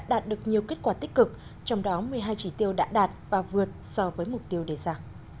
đạt được nhiều kết quả tích cực trong đó một mươi hai chỉ tiêu đã đạt và vượt so với mục tiêu đề ra